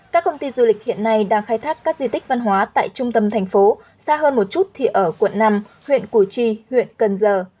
các công ty du lịch hiện nay đang khai thác các di tích văn hóa tại trung tâm thành phố xa hơn một chút thì ở quận năm huyện củ chi huyện cần giờ